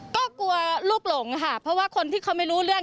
ก็กลัวลูกหลงค่ะเพราะว่าคนที่เขาไม่รู้เรื่อง